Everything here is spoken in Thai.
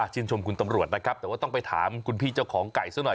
ชื่นชมคุณตำรวจนะครับแต่ว่าต้องไปถามคุณพี่เจ้าของไก่ซะหน่อย